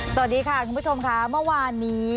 สวัสดีค่ะคุณผู้ชมค่ะเมื่อวานนี้